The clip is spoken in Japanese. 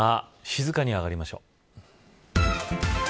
静かにあがりましょう。